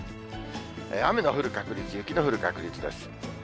雨の降る確率、雪の降る確率です。